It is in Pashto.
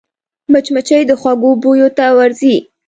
مچمچۍ د خوږو بویو ته ورځي